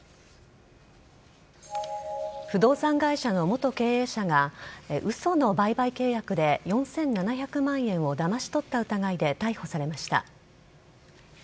不動産会社の元経営者が嘘の売買契約で４７００万円をだまし取った疑いで逮捕されました。